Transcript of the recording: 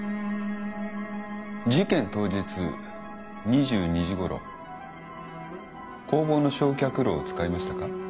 事件当日２２時ごろ工房の焼却炉を使いましたか？